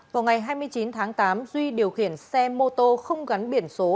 vào ngày hai mươi chín tháng tám duy điều khiển xe mô tô không gắn biển số